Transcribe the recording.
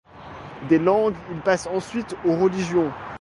Des langues, il passe ensuite aux religions.